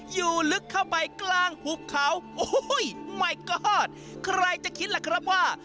อยู่ลึกเข้าไปกลางหุบเขาโอ้โหใหม่ก้อนใครจะคิดล่ะครับว่า